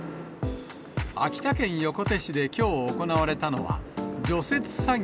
秋田県横手市で、きょう行われたのは、除雪作業。